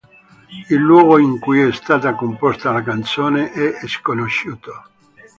Il luogo in cui è stata composta la canzone è sconosciuto.